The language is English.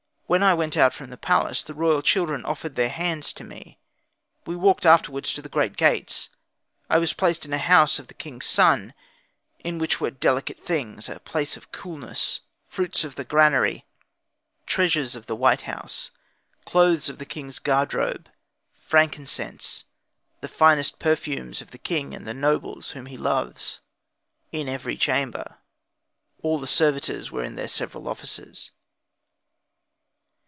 When I went out from the palace, the royal children offered their hands to me; we walked afterwards to the Great Gates. I was placed in a house of a king's son, in which were delicate things, a place of coolness, fruits of the granary, treasures of the White House, clothes of the king's guardrobe, frankincense, the finest perfumes of the king and the nobles whom he loves, in every chamber. All the servitors were in their several offices.